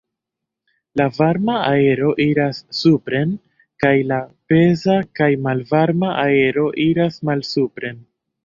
La varma aero iras supren kaj la peza kaj malvarma aero iras malsupren.